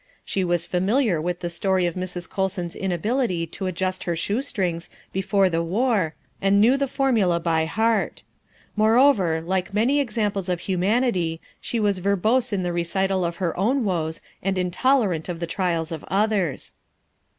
She was familiar with the story of Mrs. Colson's inability to adjust her shoe strings before the war and knew the formula by heart. Moreover, like many examples of humanity, she was verbose in the recital of her own woes and intolerant of the trials of others.